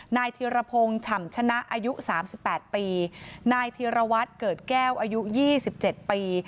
นายธิรพงศ์ฉ่ำชนะอายุ๓๘ปีนายธีรวัตรเกิดแก้วอายุ๒๗ปี